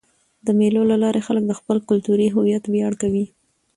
د مېلو له لاري خلک د خپل کلتوري هویت ویاړ کوي.